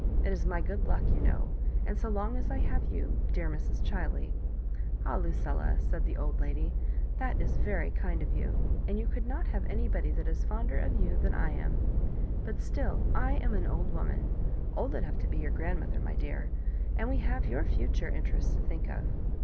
It is my good luck, you know; and so long as I have you, dear Mr& Chiley ^" "Ah, Lucilla 1" said the old lady, that is very kind of you— and you could not have anybody that is fonder of you than I am ; but still I am an old woman, old enough to be your grand mother, my dear — and we have your future in terests to think of.